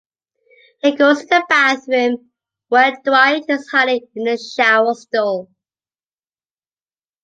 He goes to the bathroom where Dwight is hiding in the shower stall.